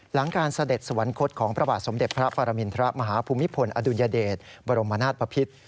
หลังการเสด็จสวรรคตของพระบาทสมเด็จพระปรมินทรมาฮภูมิพลอดุลยเดชบรมนาศปภิษ